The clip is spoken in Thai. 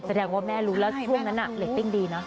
แสดงว่าแม่รู้แล้วทุ่งนั้นน่ะเล็กติ้งดีเนาะ